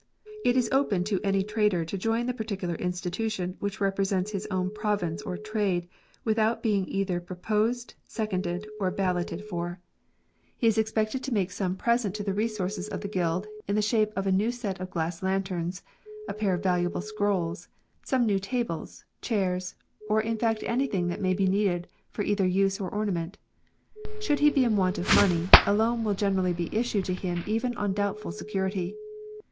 It is open to any trader to join the particular insti tution which represents his own province or trade without being either proposed, seconded, or balloted 52 GUILDS, for. He is expected to make some present to the resources of the guild, in the shape of a new set of glass lanterns, a pair of valuable scrolls, some new tables, chairs, or in fact anything that may be needed for either use or ornament. Should he be in want of money, a loan will generally be issued to him even on doubtful security.